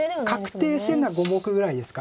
確定してるのは５目ぐらいですか。